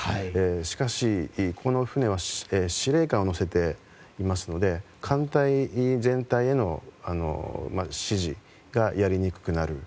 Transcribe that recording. しかし、この船は司令官を乗せていますので艦隊全体への指示がやりにくくなる。